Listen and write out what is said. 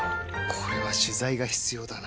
これは取材が必要だな。